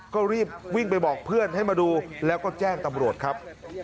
ก็รีบวิ่งไปบอกเพื่อนให้มาดูแล้วก็แจ้งตำรวจครับ